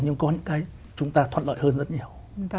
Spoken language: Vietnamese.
nhưng có những cái chúng ta thoát lợi hơn rất nhiều